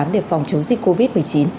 để phòng chống dịch covid một mươi chín